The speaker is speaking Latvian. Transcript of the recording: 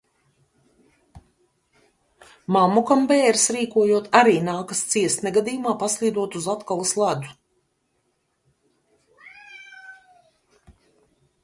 Mammukam, bēres rīkojot, arī nākas ciest negadījumā, paslīdot uz atkalas ledus.